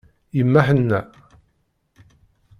Yemma ḥenna.